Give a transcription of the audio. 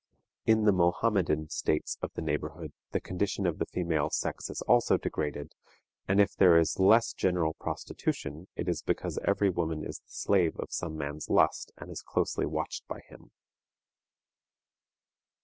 In the Mohammedan states of the neighborhood the condition of the female sex is also degraded, and if there is less general prostitution, it is because every woman is the slave of some man's lust, and is closely watched by him.